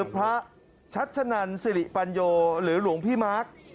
พระชัชนันสิริปัญโยหรือหลวงพี่มาร์ค